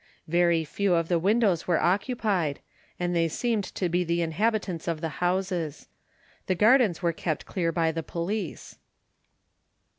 Very few of the windows were occupied, and they seemed to be the inhabitants of the houses. The gardens were kept clear by the police.